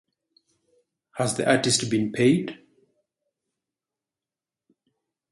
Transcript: Has the Artist Been Paid?